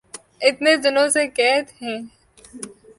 اتنے دنوں سے قید ہیں